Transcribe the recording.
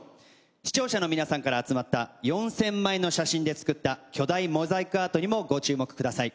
視聴者の皆さんから集まった４０００枚の写真で作った巨大モザイクアートにもご注目ください。